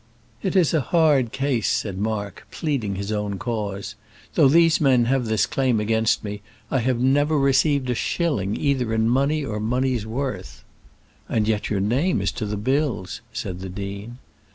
"It is a hard case," said Mark, pleading his own cause. "Though these men have this claim against me I have never received a shilling either in money or money's worth." "And yet your name is to the bills!" said the dean.